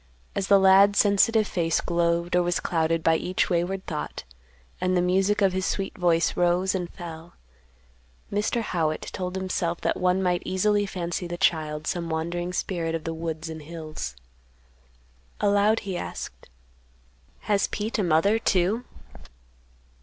As the lad's sensitive face glowed or was clouded by each wayward thought, and the music of his sweet voice rose and fell, Mr. Howitt told himself that one might easily fancy the child some wandering spirit of the woods and hills. Aloud, he asked, "Has Pete a mother, too?"